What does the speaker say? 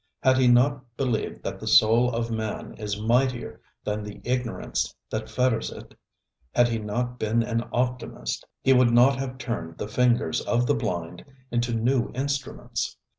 Had he not believed that the soul of man is mightier than the ignorance that fetters it, had he not been an optimist, he would not have turned the fingers of the blind into new instruments.